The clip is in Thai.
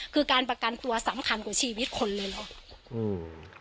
คือการประกันตัวสำคัญกว่าชีวิตคนเลยเหรอ